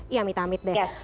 iya mit amit deh